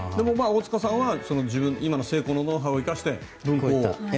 大塚さんは今の成功のノウハウを生かして分校を。